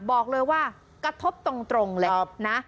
บอกเลยว่ากระทบตรงเลยนะ